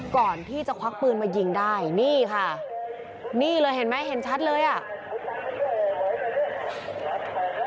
ก่อนที่จะควักปืนมายิงได้นี่ค่ะนี่เลยเห็นไหมเห็นชัดเลยอ่ะ